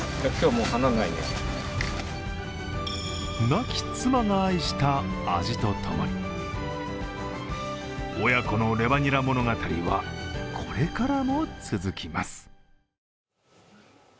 亡き妻が愛した味と共に親子のレバニラ物語は、これからも続きます。